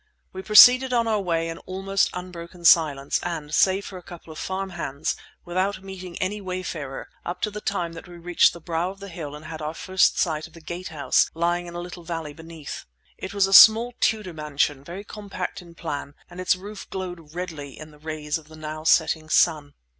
We proceeded on our way in almost unbroken silence, and, save for a couple of farm hands, without meeting any wayfarer, up to the time that we reached the brow of the hill and had our first sight of the Gate House lying in a little valley beneath. It was a small Tudor mansion, very compact in plan and its roof glowed redly in the rays of the now setting sun.